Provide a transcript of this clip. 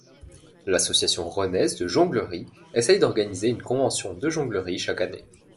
L'association rennaise de jonglerie essaye d'organiser une convention de jonglerie chaque année.